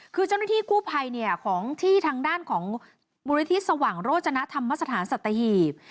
คือเจ้าหน้าที่กู้ภัยทางด้านของบริษัทสว่างโรจนาธรรมสถานสัตหีพ